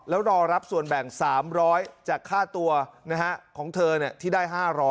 แล้วรอรับส่วนแบ่ง๓๐๐จากค่าตัวของเธอที่ได้๕๐๐